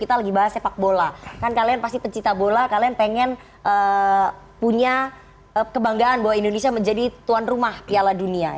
tapi kita ingin menjelaskan tentang kebanggaan indonesia menjadi tuan rumah piala dunia